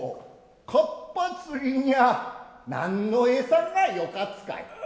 かっぱ釣りにゃ何のえさがよかつかい？